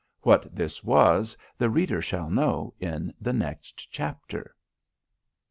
What this was the reader shall know in the next chapter.